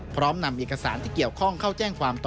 พร้อมนำเอกสารที่เกี่ยวข้องเข้าแจ้งความต่อ